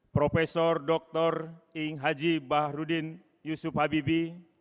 prof dr ing haji bahrudin yusuf habibi